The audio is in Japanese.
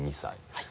はい。